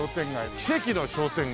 奇跡の商店街。